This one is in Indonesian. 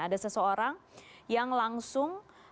ada seseorang yang langsung